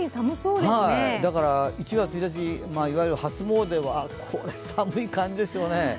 １月１日、いわゆる初詣は寒い感じですよね。